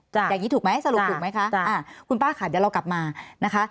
อย่างนี้ถูกไหมสรุปถูกไหมคะจ้ะอ่าคุณป้าค่ะเดี๋ยวเรากลับมานะคะ